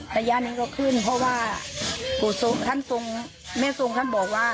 ระยะนี้ก็ขึ้นเพราะว่าปู่ทรงท่านทรงแม่ทรงท่านบอกว่า